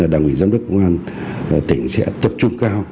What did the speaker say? đảng ủy giám đốc công an tỉnh sẽ tập trung cao